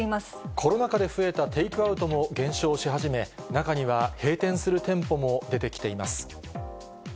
コロナ禍で増えたテイクアウトも減少し始め、中には閉店する店舗も出てきています。